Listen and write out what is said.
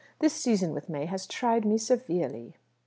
This season with May has tried me severely."